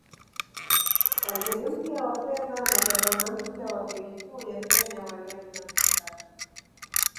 Waziri mpya wa fedha na gavana mpya wa Benki Kuu ya Kenya walianza mikakati